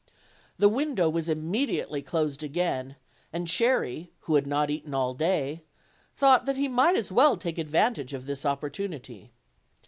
The window was immediately closed again, and Cherry, who had not eaten all clay, thought that he might as well take advantage of this opportunity.